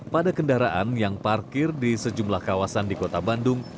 pada kendaraan yang parkir di sejumlah kawasan di kota bandung